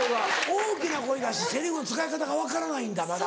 大きな声出してセリフの使い方が分からないんだまだ。